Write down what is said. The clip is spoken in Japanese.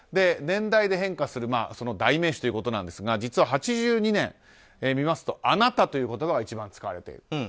年代で変化する代名詞ということですが実は８２年を見ますとあなたという言葉が一番使われている。